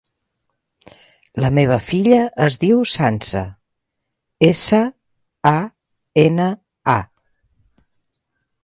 La meva filla es diu Sança: essa, a, ena, a.